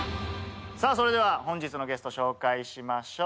さぁそれでは本日のゲスト紹介しましょう。